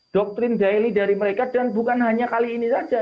doktrin daily dari mereka dan bukan hanya kali ini saja